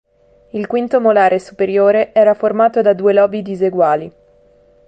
Il quinto molare superiore era formato da due lobi diseguali.